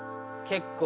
結構。